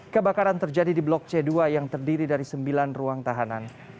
kebakaran terjadi di blok c dua yang terdiri dari sembilan ruang tahanan